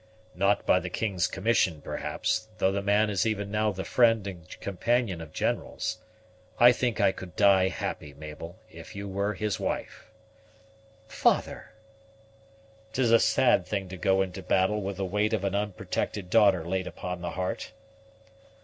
"Not by the king's commission, perhaps, though the man is even now the friend and companion of generals. I think I could die happy, Mabel, if you were his wife." "Father!" "'Tis a sad thing to go into battle with the weight of an unprotected daughter laid upon the heart."